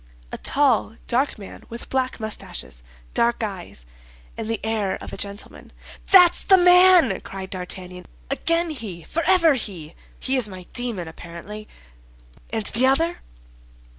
"A tall, dark man, with black mustaches, dark eyes, and the air of a gentleman." "That's the man!" cried D'Artagnan, "again he, forever he! He is my demon, apparently. And the other?"